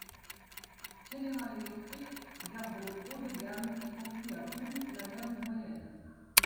General Electric garde le haut de gamme et confie à Bull la gamme moyenne.